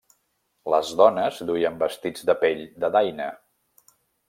Les dones duien vestits de pell de daina.